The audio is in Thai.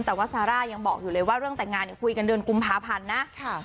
แต่ว่าซาร่ายังบอกอยู่เลยว่าเรื่องแต่งงานเนี่ยคุยกันเดือนกุมภาพันธ์นะ